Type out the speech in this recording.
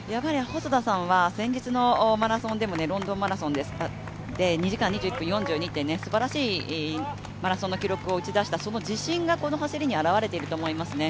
細田さんは先日のロンドンマラソンで２時間２１分４２というすばらしいマラソンの記録を打ち出した、その自信がこの走りに表れていると思いますね。